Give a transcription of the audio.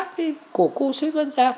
mà mang cái sát của cô sư vân ra